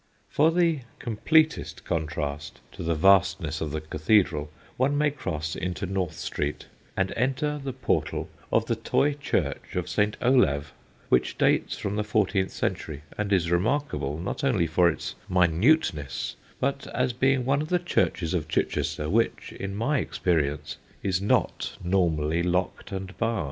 For the completest contrast to the vastness of the cathedral one may cross into North Street and enter the portal of the toy church of St. Olave, which dates from the 14th century, and is remarkable, not only for its minuteness, but as being one of the churches of Chichester which, in my experience, is not normally locked and barred.